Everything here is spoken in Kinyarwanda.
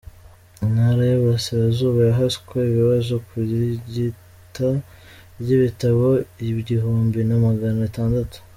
Intara y’Iburasirazuba yahaswe ibibazo ku irigita ry’ibitabo igihumbi na Magana itandatu